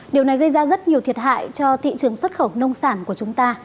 điều này gây ra rất nhiều thiệt hại cho thị trường xuất khẩu nông sản của chúng ta